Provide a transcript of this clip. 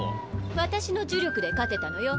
私の呪力で勝てたのよ。